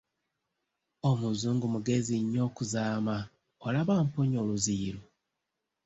Omuzungu mugezi nnyo okuzaama, olaba amponya oluziyiro!